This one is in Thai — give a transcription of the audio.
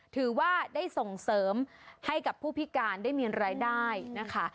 ถือว่าได้ส่งเสริมให้กับผู้พิการได้มีรายได้นะคะ